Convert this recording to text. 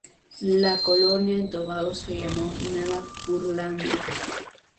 La colonia en Tobago se llamó Nueva Curlandia.